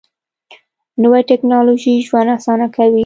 نوې ټیکنالوژي ژوند اسانه کوي